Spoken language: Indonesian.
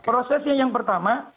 prosesnya yang pertama